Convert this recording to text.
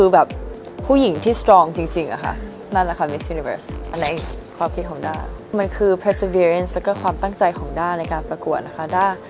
ด้วยความตั้งใจของด้าในการประกวดนะคะ